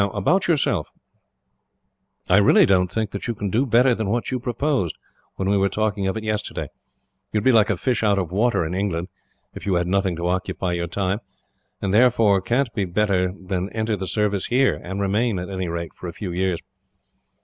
"Now, about yourself. I really don't think that you can do better than what you proposed, when we were talking of it yesterday. You would be like a fish out of water, in England, if you had nothing to occupy your time; and therefore can't do better than enter the Service here, and remain, at any rate, for a few years.